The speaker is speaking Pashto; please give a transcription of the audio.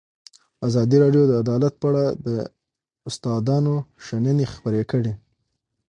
ازادي راډیو د عدالت په اړه د استادانو شننې خپرې کړي.